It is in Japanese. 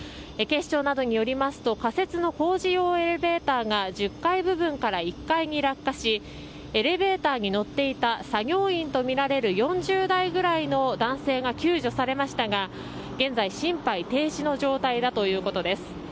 警視庁などによりますと仮設の工事用エレベーターが１０階部分から１階に落下しエレベーターに乗っていた作業員とみられる４０代くらいの男性が救助されましたが現在、心肺停止の状態だということです。